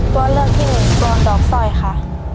ตัวเลือกที่หนึ่งตัวดอกสร้อยค่ะ